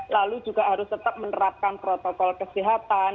lalu juga harus tetap menerapkan protokol kesehatan